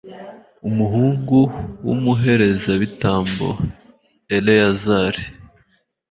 umuhungu w'umuherezabitambo eleyazari